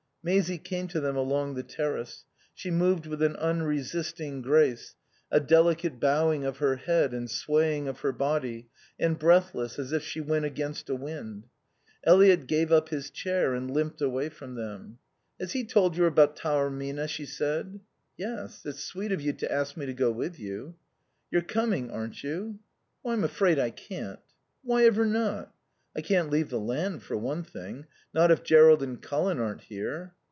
Maisie came to them along the terrace. She moved with an unresisting grace, a delicate bowing of her head and swaying of her body, and breathless as if she went against a wind. Eliot gave up his chair and limped away from them. "Has he told you about Taormina?" she said. "Yes. It's sweet of you to ask me to go with you " "You're coming, aren't you?" "I'm afraid I can't." "Why ever not?" "I can't leave the land for one thing. Not if Jerrold and Colin aren't here."